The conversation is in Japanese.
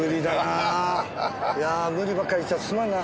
いやあ無理ばっかり言っちゃってすまんな。